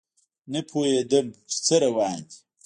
نه پوهیدم چې څه روان دي